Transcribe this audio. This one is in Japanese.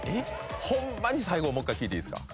ほんまに最後もう一回聴いていいですか？